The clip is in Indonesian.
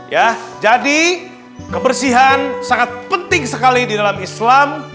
ya jadi kebersihan sangat penting sekali di dalam islam